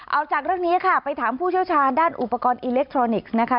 เอาจากเรื่องนี้ค่ะไปถามผู้เชี่ยวชาญด้านอุปกรณ์อิเล็กทรอนิกส์นะคะ